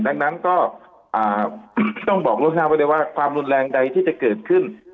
ดังนั้นก็ต้องบอกล่วงหน้าไว้เลยว่าความรุนแรงใดที่จะเกิดขึ้น